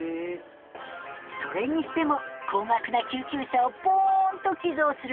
それにしても高額な救急車をポーンと寄贈する方